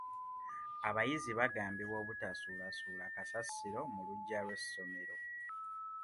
Abayizi baagambibwa obutasuulasuula kasasiro mu luggya lw'essomero.